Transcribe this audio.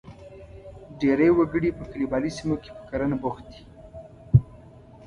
ډېری وګړي په کلیوالي سیمو کې پر کرنه بوخت دي.